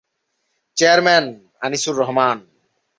chairman- Anisur Rahman